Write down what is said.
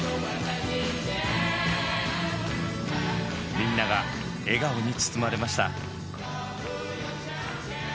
みんなが笑顔に包まれました。